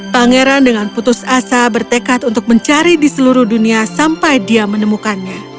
pangeran dengan putus asa bertekad untuk mencari di seluruh dunia sampai dia menemukannya